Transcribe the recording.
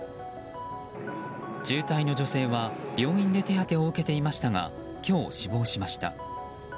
重体の女性は病院で手当てを受けていましたが今日、死亡しました。